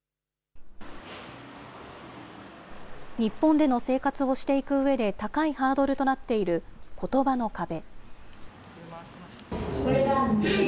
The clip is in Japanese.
日本での生活をしていくうえで、高いハードルとなっていることばの壁。